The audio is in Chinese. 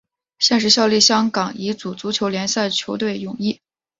现时效力香港乙组足球联赛球队永义。